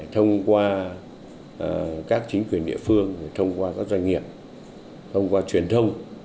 thông qua các chính quyền địa phương thông qua các doanh nghiệp thông qua truyền thông